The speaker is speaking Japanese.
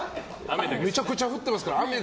めちゃくちゃ降ってるから。